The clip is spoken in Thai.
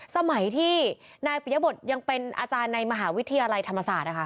สมัยที่นายปิยบทยังเป็นอาจารย์ในมหาวิทยาลัยธรรมศาสตร์